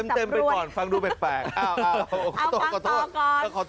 เต็มไปก่อนฟังดูแปลก